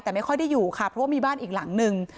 แต่ไม่ค่อยได้อยู่ค่ะเพราะว่ามีบ้านอีกหลังนึง